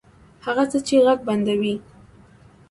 هغه څه چې ږغ بندوي